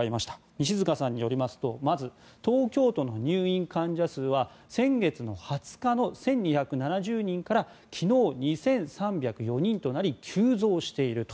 西塚さんによりますとまず、東京都の入院患者数は先月２０日の１２７０人から昨日、２３０４人となり急増していると。